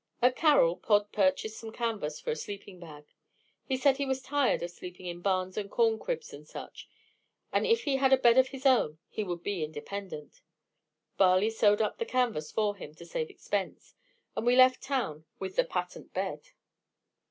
At Carroll, Pod purchased some canvas for a sleeping bag. He said he was tired of sleeping in barns and corn cribs and such, and if he had a bed of his own, he would be independent. Barley sewed up the canvas for him, to save expense, and we left town with the patent bed.